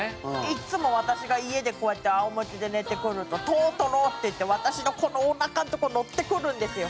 いつも私が家でこうやって仰向けで寝てくると「トートロ！」って言って私のこのおなかの所乗ってくるんですよ。